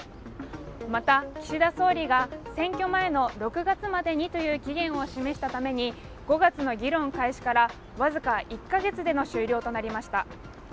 また岸田総理が、選挙前の６月までにという期限を示したために５月の議論開始から僅か１カ月での終了となりました。